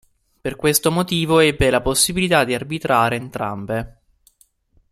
Per questo motivo ebbe la possibilità di arbitrare entrambe.